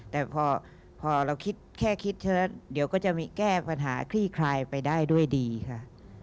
แต่พอเราคิดแค่คิดฉะนั้นเดี๋ยวก็จะมีแก้ปัญหาคลี่คลายไปได้ด้วยดีค่ะ